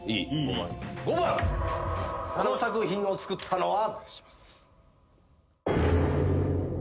５番この作品を作ったのは。